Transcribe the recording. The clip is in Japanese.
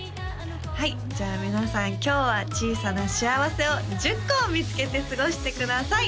はいじゃあ皆さん今日は小さな幸せを１０個見つけて過ごしてください！